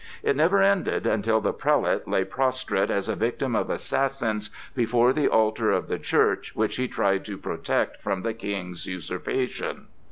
It never ended until the prelate lay prostrate as a victim of assassins before the altar of the church which he tried to protect from the King's usurpation.